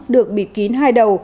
được bịt kín hai đầu